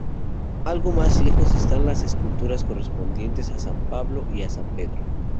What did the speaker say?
Algo más lejos están las esculturas correspondientes a San Pablo y a San Pedro.